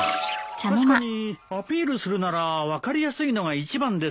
確かにアピールするなら分かりやすいのが一番ですね。